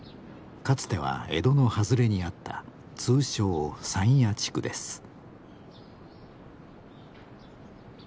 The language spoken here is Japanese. かつては江戸の外れにあった通称山谷地区です。